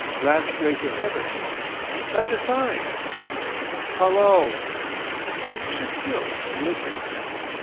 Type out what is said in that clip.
Last grace of Heaven. Like a sign. Hullo!" He stood still and listened.